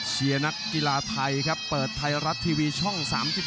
นักกีฬาไทยครับเปิดไทยรัฐทีวีช่อง๓๒